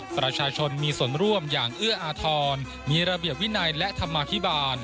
ประชาชนมีส่วนร่วมอย่างเอื้ออาทรมีระเบียบวินัยและธรรมาภิบาล